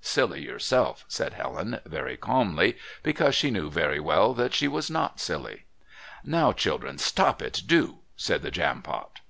"Silly yourself," said Helen very calmly, because she knew very well that she was not silly. "Now, children, stop it, do," said the Jampot.